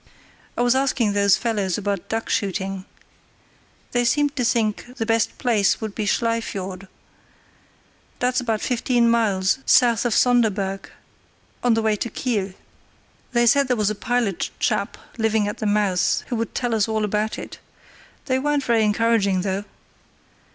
"I was asking those fellows about duck shooting. They seemed to think the best place would be Schlei Fiord. That's about fifteen miles south of Sonderburg, on the way to Kiel. They said there was a pilot chap living at the mouth who would tell us all about it. They weren't very encouraging though.